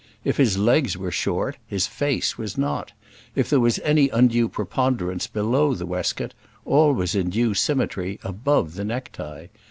If his legs were short, his face was not; if there was any undue preponderance below the waistcoat, all was in due symmetry above the necktie.